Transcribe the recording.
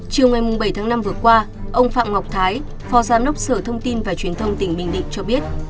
chiều ngày bảy tháng năm vừa qua ông phạm ngọc thái phó giám đốc sở thông tin và truyền thông tỉnh bình định cho biết